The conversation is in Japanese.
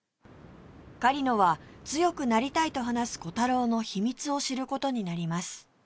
狩野は強くなりたいと話すコタローの秘密を知る事になります